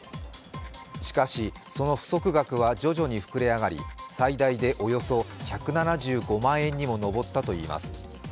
しかし、その不足額は徐々に膨れ上がり最大でおよそ１７５万円にも上ったといいます。